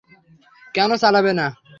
কেন চালাবে না?